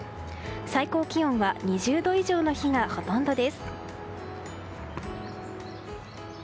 最高気温は２０度以上の日がほとんどです。